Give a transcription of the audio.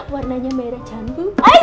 warnanya merah cantik